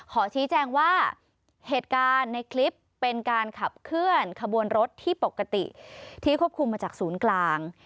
ขอชี้แจงว่าเหตุการณ์ในคลิปเป็นการขับเคลื่อนขบวนรถที่ปกติที่ควบคุมมาจากศูนย์กลาง